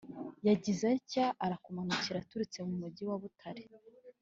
yagize atya arakumanukira aturutse mu mugi wa butare,